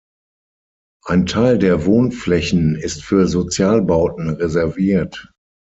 Ein Teil der Wohnflächen ist für Sozialbauten reserviert.